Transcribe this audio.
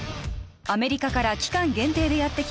アメリカから期間限定でやってきた